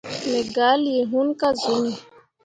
Me gah lii hunni ka zuni.